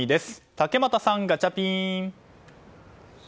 竹俣さん、ガチャピン！